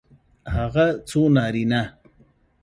هغه څو نارینه